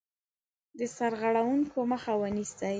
د سرغړونکو مخه ونیسي.